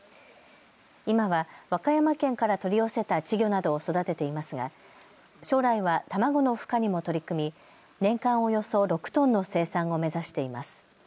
今は和歌山県から取り寄せた稚魚などを育てていますが将来は卵のふ化にも取り組み年間およそ６トンの生産を目指しています。